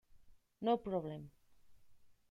No Problem!